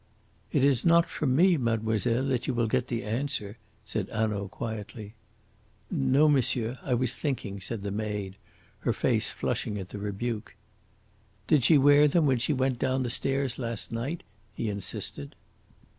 "It is not from me, mademoiselle, that you will get the answer," said Hanaud quietly. "No, monsieur. I was thinking," said the maid, her face flushing at the rebuke. "Did she wear them when she went down the stairs last night?" he insisted.